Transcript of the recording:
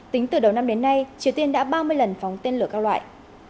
tính từ đầu năm đến nay triều tiên đã ba mươi lần phóng tên lửa các loại